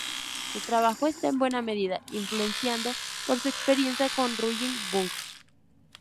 Su trabajo está en buena medida influenciado por su experiencia con "Raging Bull".